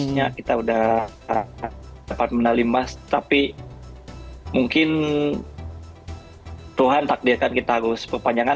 harusnya kita sudah dapat medal imas tapi mungkin tuhan takdirkan kita harus berpanjangan